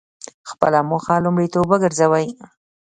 خپله موخه لومړیتوب وګرځوئ.